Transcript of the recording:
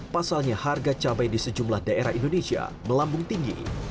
pasalnya harga cabai di sejumlah daerah indonesia melambung tinggi